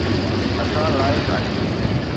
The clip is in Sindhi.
اسان لائق آهيون